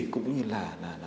cũng như là